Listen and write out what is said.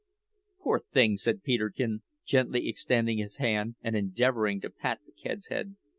Poor thing said Peterkin, gently extending his hand and endeavouring to pat the cat's head.